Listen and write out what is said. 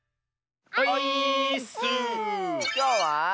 きょうは。